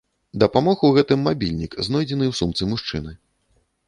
Дапамог у гэтым мабільнік, знойдзены ў сумцы мужчыны.